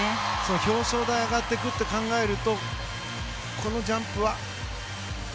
表彰台に上がっていくと考えるとこのジャンプは。